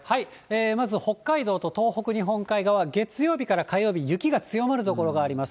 まず北海道と東北日本海側、月曜日から火曜日、雪が強まる所があります。